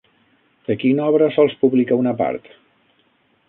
De quina obra sols publica una part?